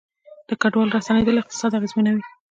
د کډوالو راستنیدل اقتصاد اغیزمنوي